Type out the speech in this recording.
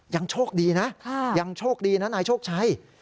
ยังโชคดีนะยังโชคดีนะนายโชคชัย